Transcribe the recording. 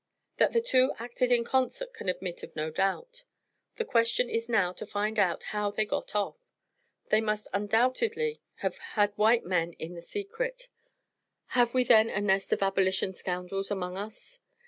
That the two acted in concert, can admit of no doubt. The question is now to find out how they got off. They must undoubtedly have had white men in the secret. Have we then a nest of Abolition scoundrels among us?